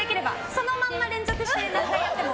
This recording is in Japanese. そのまま連続して何回やっても。